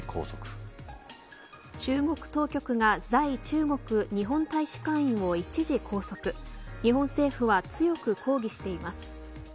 中国当局が在中国日本大使館員を一時拘束、日本政府は強く抗議しています。